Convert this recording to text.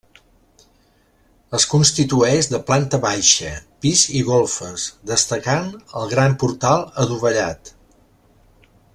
Es constitueix de planta baixa, pis i golfes, destacant el gran portal adovellat.